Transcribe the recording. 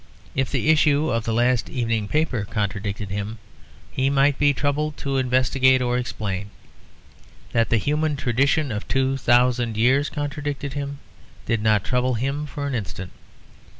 If the issue of the last evening paper contradicted him he might be troubled to investigate or explain. That the human tradition of two thousand years contradicted him did not trouble him for an instant.